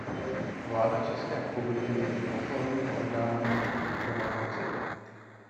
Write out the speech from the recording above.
Vláda České republiky je vrcholným orgánem výkonné moci.